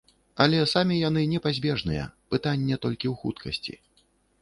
Але самі яны непазбежныя, пытанне толькі ў хуткасці.